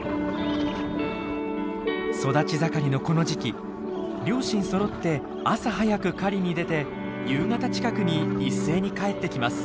育ち盛りのこの時期両親そろって朝早く狩りに出て夕方近くに一斉に帰ってきます。